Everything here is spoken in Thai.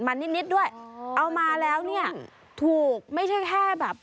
มันนิดนิดด้วยเอามาแล้วเนี่ยถูกไม่ใช่แค่แบบ